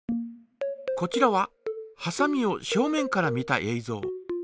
こちらははさみを正面から見たえいぞう。